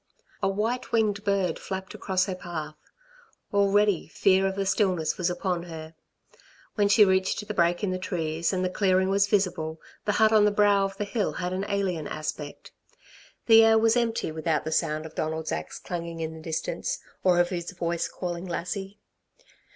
A white winged bird flapped across her path; already fear of the stillness was upon her. When she reached the break in the trees and the clearing was visible, the hut on the brow of the hill had an alien aspect. The air was empty without the sound of Donald's axe clanging in the distance, or of his voice calling Lassie.